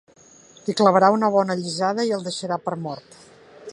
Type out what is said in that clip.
Li clavarà una bona allisada i el deixarà per mort.